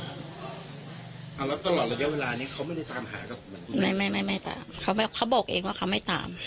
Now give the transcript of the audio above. แล้วตลอดระยะเวลานี้เขาไม่ได้ตามหากับแบบไม่ไม่ไม่ไม่ตามเขาบอกเองว่าเขาไม่ตาม